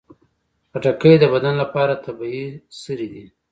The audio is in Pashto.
خټکی د بدن لپاره طبیعي سري دي.